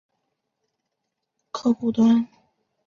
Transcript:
从源服务器返回的响应经过代理服务器后再传给客户端。